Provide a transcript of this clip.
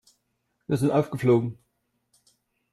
Wir sind aufgeflogen.